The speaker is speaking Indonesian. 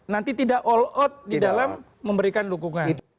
nanti tidak all out di dalam memberikan dukungan